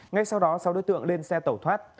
ngay sau đó sáu đối tượng lên xe tẩu thoát